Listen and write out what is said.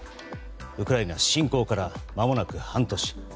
ウクライナ侵攻からまもなく半年。